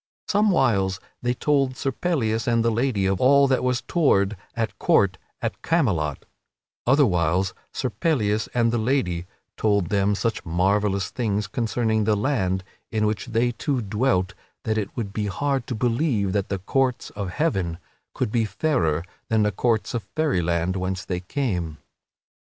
Somewhiles they told Sir Pellias and the lady of all that was toward at court at Camelot; otherwhiles Sir Pellias and the lady told them such marvellous things concerning the land in which they two dwelt that it would be hard to believe that the courts of Heaven could be fairer than the courts of Fairyland whence they had come.